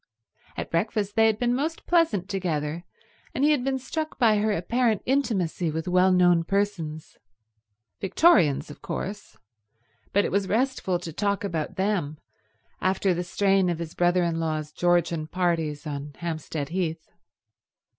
At breakfast they had been most pleasant together, and he had been struck by her apparent intimacy with well known persons. Victorians, of course; but it was restful to talk about them after the strain of his brother in law's Georgian parties on Hampstead Heath.